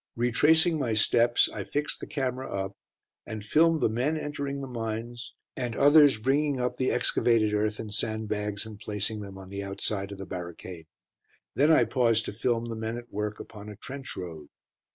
Retracing my steps, I fixed the camera up and filmed the men entering the mines and others bringing up the excavated earth in sandbags and placing them on the outside of the barricade. Then I paused to film the men at work upon a trench road.